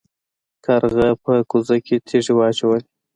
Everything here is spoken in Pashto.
کارغه په کوزه کې تیږې واچولې.